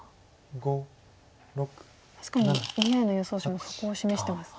確かにＡＩの予想手もそこを示してます。